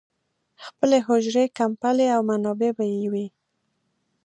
خپلې حجرې، کمبلې او منابع به یې وې.